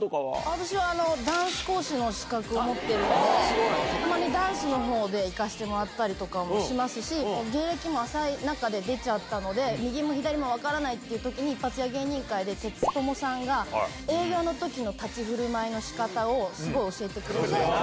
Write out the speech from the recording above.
私はダンス講師の資格を持ってるので、たまにダンスのほうで行かしてもらったりもしますし、芸歴も浅い中で出ちゃったので、右も左も分からないってときに、一発屋芸人会で、テツトモさんが、営業のときの立ちふるまいのしかたをすごい教えてくれて。